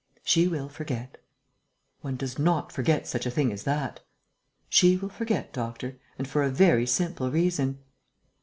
"She will forget." "One does not forget such a thing as that." "She will forget, doctor, and for a very simple reason...."